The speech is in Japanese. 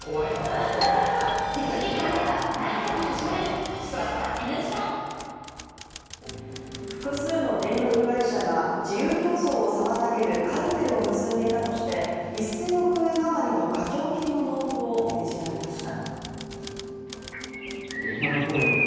「アサヒザ・リッチ」新発売複数の電力会社が、自由競争を妨げるカルテルを結んでいたとして１０００億円余りの課徴金の納付を命じられました。